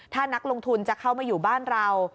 ถ้านักลงทุนจะเข้ามาอยู่บ้านเรา